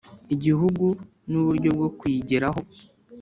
Igihugu n uburyo bwo kuyigeraho